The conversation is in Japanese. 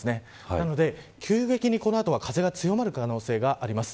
なので、急激にこの後は風が強まる可能性があります。